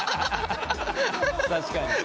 確かに。